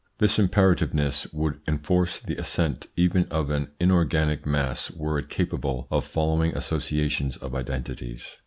"This imperativeness would enforce the assent even of an inorganic mass were it capable of following associations of identities."